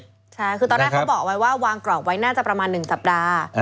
ตอนแรกเขาบอกว่าวางกรอกไว้น่าจะประมาณ๑สัปดาห์